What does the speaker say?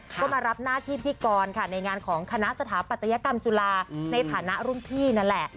ก็มารับหน้าที่พิธีกรค่ะในงานของคณะสถาปัตยกรรมจุฬาในฐานะรุ่นพี่นั่นแหละ